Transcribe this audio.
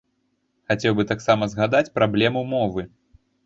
Хацеў бы таксама згадаць праблему мовы.